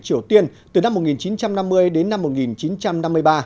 triều tiên từ năm một nghìn chín trăm năm mươi đến năm một nghìn chín trăm năm mươi ba